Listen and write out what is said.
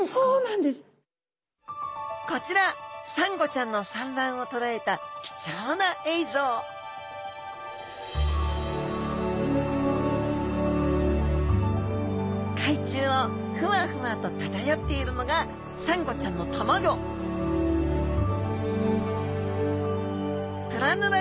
こちらサンゴちゃんの産卵を捉えた貴重な映像海中をふわふわと漂っているのがサンゴちゃんのたまギョプラヌラ